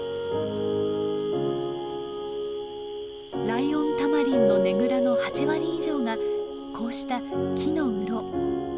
ライオンタマリンのねぐらの８割以上がこうした木のうろ。